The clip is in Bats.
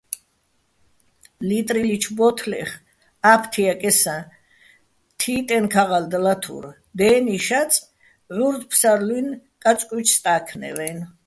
ლიტრილიჩო̆ ბო́თლეხ ა́ფთიაქესაჼ თიტენო̆ ქაღალდ ლათურ: "დე́ნი შაწ, ჺურდ-ფსარლუჲნი̆ კაწკუჲჩი̆ სტა́ქნევ-აჲნო̆".